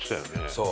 そう。